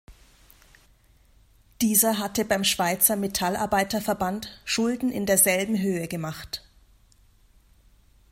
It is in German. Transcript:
Dieser hatte beim Schweizer Metallarbeiterverband Schulden in derselben Höhe gemacht.